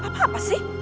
papa apa sih